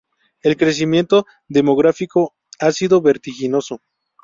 El crecimiento demográfico ha sido vertiginoso.